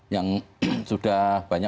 yang sudah banyak